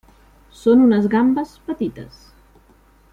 Són unes gambes petites.